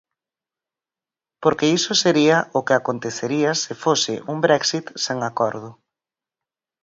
Porque iso sería o que acontecería se fose un Brexit sen acordo.